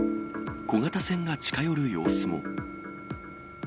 小型船が近寄る様子も。